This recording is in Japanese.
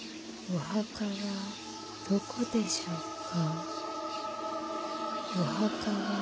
・お墓はどこでしょうか。